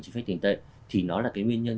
chính sách tiền tệ thì nó là cái nguyên nhân